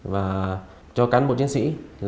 và cho cán bộ chiến sĩ